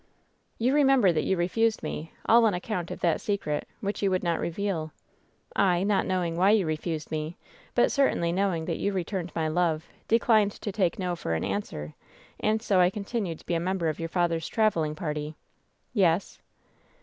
"You remember that you refused me, all on account of that secret, which you would not reveal. I, not know ing why you refused me, but certainly knowing that you returned my love, declined to take no for an answer, and so I continued to be a member of your father's traveling party." "Yes."